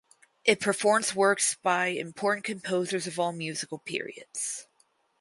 It performs works by important composers of all musical periods.